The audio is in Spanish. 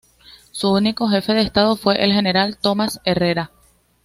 Su único jefe de Estado fue el General Tomás Herrera.